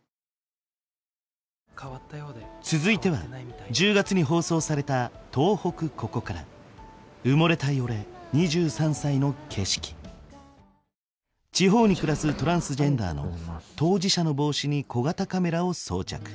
続いては１０月に放送された地方に暮らすトランスジェンダーの当事者の帽子に小型カメラを装着。